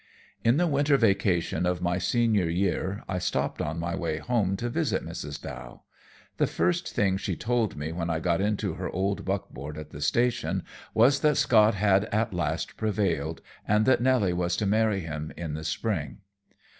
In the winter vacation of my senior year I stopped on my way home to visit Mrs. Dow. The first thing she told me when I got into her old buckboard at the station was that "Scott had at last prevailed," and that Nelly was to marry him in the spring.